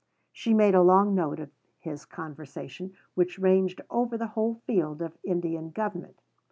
She made a long note of his conversation, which ranged over the whole field of Indian government.